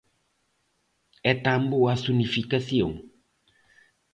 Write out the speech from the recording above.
¿É tan boa a zonificación?